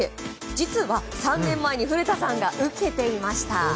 実は３年前に古田さんが受けていました。